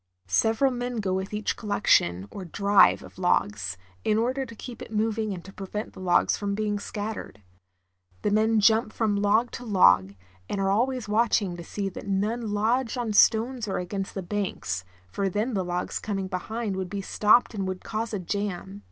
Several men go with each collection, or " drive," of logs, in or der to keep it moving and to prevent the logs from being scattered. ...f^. „,, The men jump from A Drive of Logs. •>" log to log, and are always watching to see that none lodge on stones or against the banks, for then the logs coming behind would be stopped and would cause a jam.